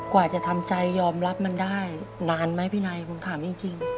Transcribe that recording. กว่าจะทำใจยอมรับมันได้นานไหมพี่นายผมถามจริง